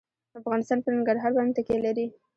افغانستان په ننګرهار باندې تکیه لري.